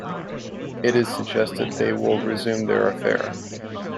It is suggested they will resume their affair.